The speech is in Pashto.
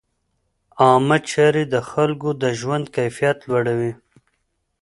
عامه چارې د خلکو د ژوند کیفیت لوړوي.